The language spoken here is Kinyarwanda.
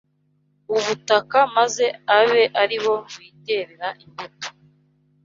ubutaka maze abe ari bo biterera imbuto